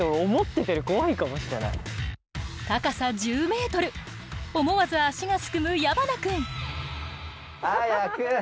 高さ１０ｍ思わず足がすくむ矢花君。早く。